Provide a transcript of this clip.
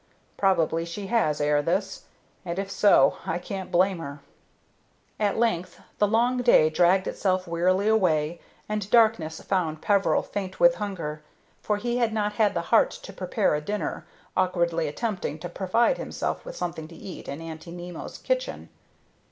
Probably she has ere this, and, if so, I can't blame her." At length the long day dragged itself wearily away, and darkness found Peveril faint with hunger, for he had not had the heart to prepare a dinner, awkwardly attempting to provide himself with something to eat in Aunty Nimmo's kitchen.